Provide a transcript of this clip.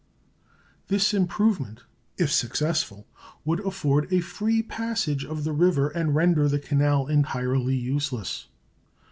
This improvement, if successful, would afford a free passage of the river and render the canal entirely useless.